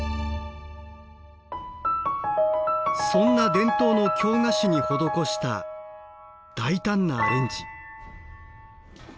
そんな伝統の京菓子に施した大胆なアレンジ。